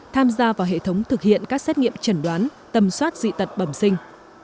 tham gia vào hệ thống thực hiện các xét nghiệm chẩn đoán tầm soát dị tật bẩm sinh